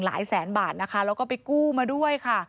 หลายแสนบาทนะคะแล้วก็ไปกู้มาด้วยค่ะ